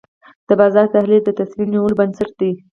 د بازار تحلیل د تصمیم نیولو بنسټ دی.